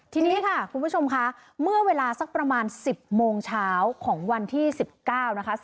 ทีนี้ค่ะคุณผู้ชมค่ะเมื่อเวลาสักประมาณ๑๐โมงเช้าของวันที่๑๙นะคะ